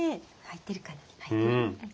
入ってるかな？